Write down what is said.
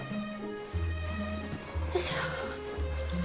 よいしょ。